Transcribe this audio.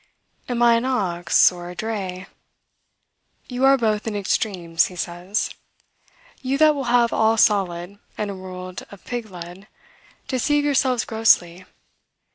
Am I an ox, or a dray? You are both in extremes, he says. You that will have all solid, and a world of pig lead, deceive yourselves grossly.